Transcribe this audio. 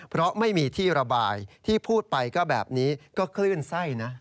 เพราะไม่มีที่ระบายที่พูดไปก็แบบนี้ก็คลื่นไส้นะ